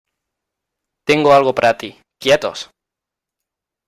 Tengo algo para ti. ¡ quietos!